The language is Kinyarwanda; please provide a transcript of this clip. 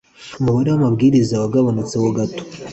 umubare w ababwiriza wagabanutseho gato